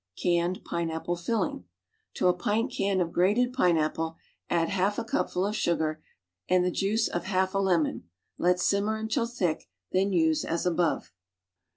CANNED PINEAPPLE FILLING To a pint can of grated pineapple add half a cupful of sugar an<l the juice of half a lemon; let simmer until thick, then use as above.